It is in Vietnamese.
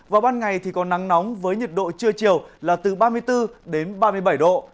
vào ban ngày thì có nắng nóng với nhiệt độ trưa chiều là từ ba mươi bốn đến ba mươi bảy độ